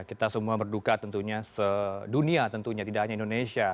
kita semua berduka tentunya sedunia tentunya tidak hanya indonesia